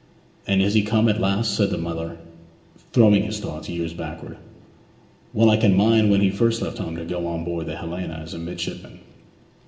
'And is he come at last?' said the miller, throwing his thoughts years backward. 'Well can I mind when he first left home to go on board the Helena as midshipman!'